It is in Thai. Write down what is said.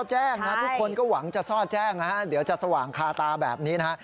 แจ้งนะทุกคนก็หวังจะซ่อแจ้งนะฮะเดี๋ยวจะสว่างคาตาแบบนี้นะฮะ